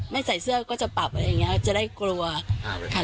ไม่ใส่เสื้อก็จะปรับอะไรอย่างนี้จะได้กลัว